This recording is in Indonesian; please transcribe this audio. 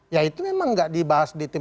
ya itu memang tidak dibahas di tim delapan